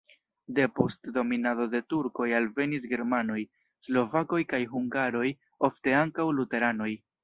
Depost dominado de turkoj alvenis germanoj, slovakoj kaj hungaroj, ofte ankaŭ luteranoj.